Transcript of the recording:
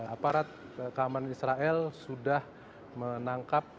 aparat keamanan israel sudah menangkap